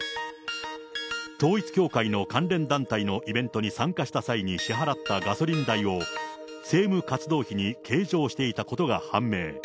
統一教会の関連団体のイベントに参加した際に支払ったガソリン代を、政務活動費に計上していたことが判明。